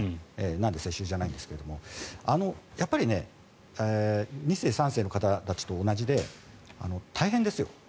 なんで、世襲じゃないんですがやっぱり２世、３世の方たちと同じで大変ですよ。